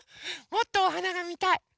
もっとおはながみたい。